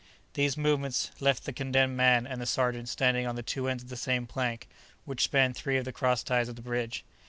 These movements left the condemned man and the sergeant standing on the two ends of the same plank, which spanned three of the cross ties of the bridge.